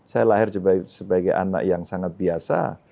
saya lahir sebagai anak yang sangat biasa